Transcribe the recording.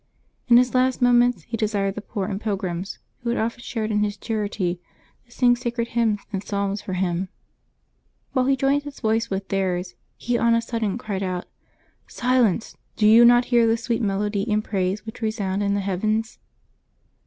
In his last moments he desired the poor and pilgrims, who had often shared in his charity, to sing sacred hjonns and psalms for him. While he joined his voice with theirs, he on a sud Decembeb 24] LIVES OF THE SAINTS 385 den cried out :" Silence ! do you not hear the sweet mel ody and praise which resound in the heavens